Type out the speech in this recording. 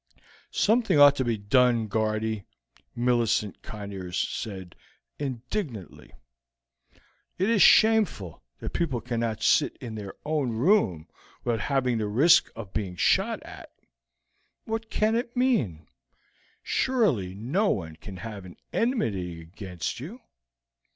"Something ought to be done, Guardy," Millicent Conyers said indignantly. "It is shameful that people cannot sit in their own room without the risk of being shot at. What can it mean? Surely no one can have any enmity against you."